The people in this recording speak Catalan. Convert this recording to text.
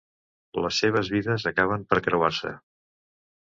Les seves vides acaben per creuar-se.